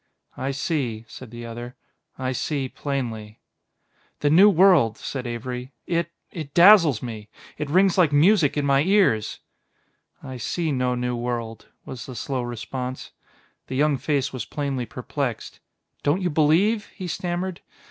"I see," said the other; "I see plainly." "The new world," said Avery. "It it dazzles me; it rings like music in my ears." "I see no new world," was the slow response. The young face was plainly perplexed. "Don't you believe?" he stammered.